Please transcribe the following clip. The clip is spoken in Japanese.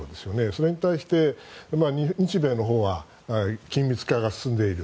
それに対して日米のほうは緊密化が進んでいる。